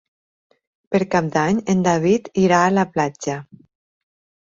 Per Cap d'Any en David irà a la platja.